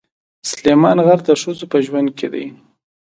سلیمان غر د ښځو په ژوند کې دي.